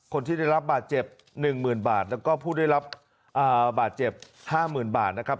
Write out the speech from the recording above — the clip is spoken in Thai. คนที่ได้รับบาดเจ็บ๑๐๐๐บาทแล้วก็ผู้ได้รับบาดเจ็บ๕๐๐๐บาทนะครับ